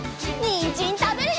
にんじんたべるよ！